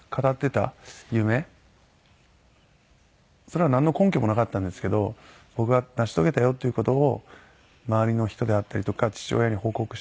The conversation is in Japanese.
それはなんの根拠もなかったんですけど僕が成し遂げたよっていう事を周りの人であったりとか父親に報告したいなって。